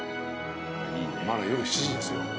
まだ夜７時ですよ。